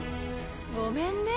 ごめんね。